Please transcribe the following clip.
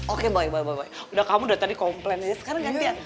oke baik baik baik udah kamu udah tadi komplain aja sekarang gantiin